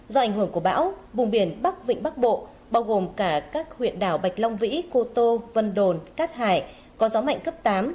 do ảnh hưởng của bão vùng biển bắc vịnh bắc bộ bao gồm cả các huyện đảo bạch long vĩ cô tô vân đồn cát hải có gió mạnh cấp tám